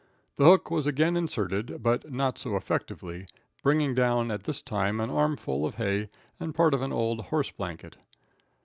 The hook was again inserted, but not so effectively, bringing down at this time an armful of hay and part of an old horse blanket.